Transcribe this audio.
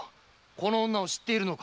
この女を知っているのか？